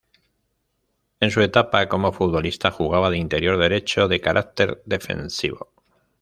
En su etapa como futbolista jugaba de interior derecho, de caracter defensivo.